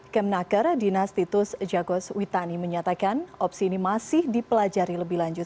kemnaker dinas titus jagos witani menyatakan opsi ini masih dipelajari lebih lanjut